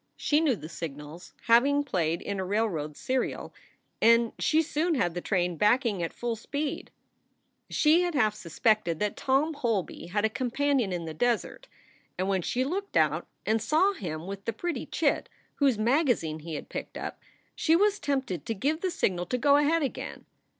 She knew the signals, having played in a railroad serial, and she soon had the train backing at full speed. She had half suspected that Tom Holby had a companion in the desert, and when she looked out and saw him with the pretty chit whose magazine he had picked up, she was tempted to give the signal to go ahead again.